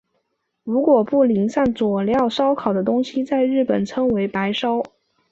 如果不淋上佐料烧烤的东西在日本称为白烧。